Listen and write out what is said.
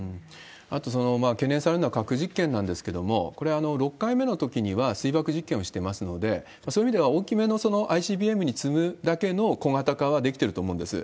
あと、懸念されるのは核実験なんですけれども、これ、６回目のときには水爆実験をしていますので、そういう意味では大きめのＩＣＢＭに積む実験の小型化はできてると思うんです。